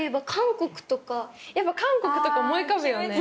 やっぱ韓国とか思い浮かぶよね。